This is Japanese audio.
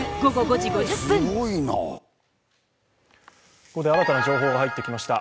ここで新たな情報が入ってきました。